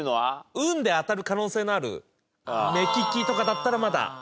運で当たる可能性のある目利きとかだったらまだ。